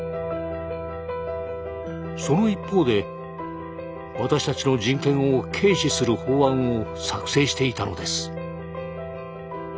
その一方で私たちの人権を軽視する法案を作成していたのです。